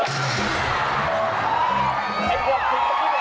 ไอ้หัวขึ้นตรงนี้ไหนล่ะ